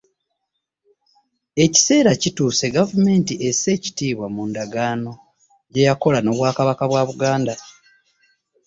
Ekiseera kituuse gavumenti esse ekitiibwa mu ndagaano gye yakola n’Obwakabaka bwa Buganda